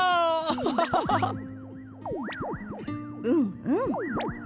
うんうん！